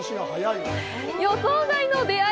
予想外の出会い！